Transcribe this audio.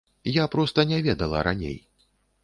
Я проста не ведала раней.